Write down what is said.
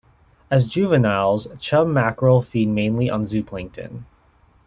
As juveniles, chub mackerel feed mainly on zooplankton.